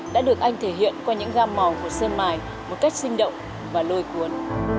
đã được anh thể hiện qua những gam màu của sơn mài một cách sinh động và lôi cuốn